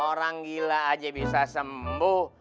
orang gila aja bisa sembuh